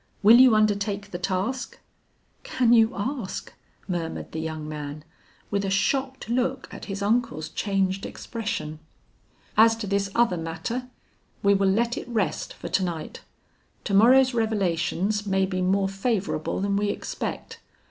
Will you undertake the task?" "Can you ask?" murmured the young man, with a shocked look at his uncle's changed expression. "As to this other matter, we will let it rest for to night. To morrow's revelations may be more favorable than we expect.